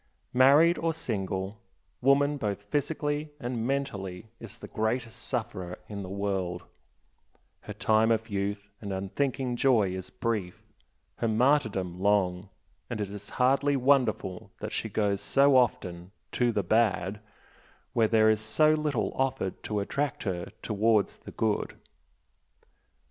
Married or single, woman both physically and mentally is the greatest sufferer in the world her time of youth and unthinking joy is brief, her martyrdom long and it is hardly wonderful that she goes so often "to the bad" when there is so little offered to attract her towards the good.